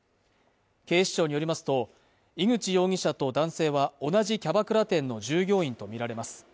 警視庁によりますと井口容疑者と男性は同じキャバクラ店の従業員と見られます